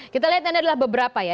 kita lihat ini adalah beberapa ya